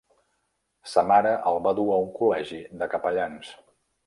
Sa mare el va dur a un col·legi de capellans.